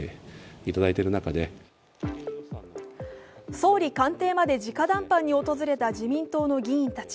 総理官邸までじか談判に訪れた自民党の議員たち。